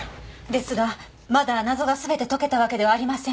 ですがまだ謎が全て解けたわけではありません。